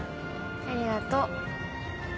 ありがとう。